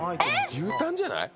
牛たんじゃない？